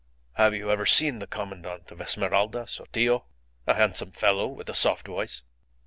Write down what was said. Have you ever seen the Commandant of Esmeralda, Sotillo? A handsome fellow, with a soft voice.